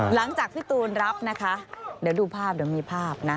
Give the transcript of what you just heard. หลังจากพี่ตูนรับนะคะเดี๋ยวดูภาพเดี๋ยวมีภาพนะ